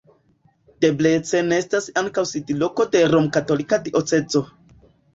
Debrecen estas ankaŭ sidloko de romkatolika diocezo.